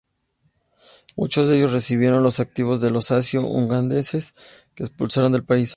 Muchos de ellos recibieron los activos de los asio-ugandeses que expulsaron del país.